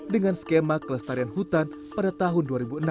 dengan skema kelestarian hutan pada tahun dua ribu enam